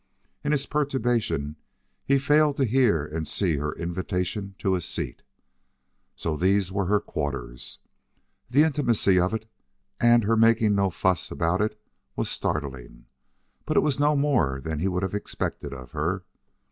In his perturbation he failed to hear and see her invitation to a seat. So these were her quarters. The intimacy of it and her making no fuss about it was startling, but it was no more than he would have expected of her.